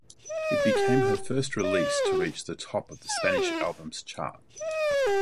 It became her first release to reach the top of the Spanish albums chart.